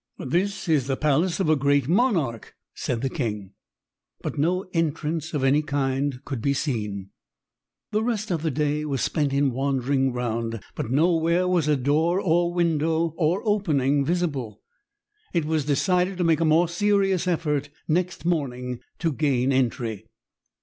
"This is the palace of a great monarch," said the king. But no entrance of any kind could be seen. The rest of the day was spent in wandering round, but nowhere was a door, or window, or opening visible. It was decided to make a more serious effort next morning to gain entry.